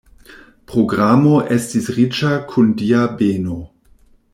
Programo estis riĉa kun Dia beno.